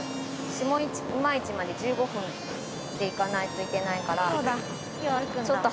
下今市まで１５分で行かないといけないから。